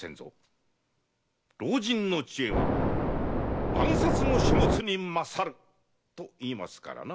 「老人の知恵は万冊の書物に勝る」といいますからな。